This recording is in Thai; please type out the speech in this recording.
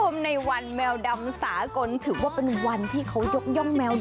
เมียว